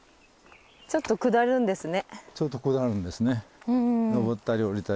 ちょっと下るんですね。